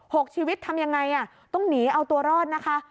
หกชีวิตทำยังไงอ่ะต้องหนีเอาตัวรอดนะคะ